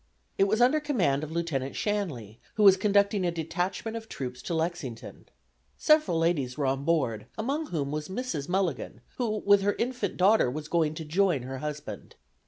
It was under command of Lieutenant Shanley, who was conducting a detachment of troops to Lexington. Several ladies were on board, among whom was Mrs. Mulligan, who with her infant daughter was going to join her husband.